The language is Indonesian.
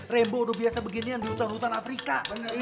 rembok udah biasa beginian di hutan hutan afrika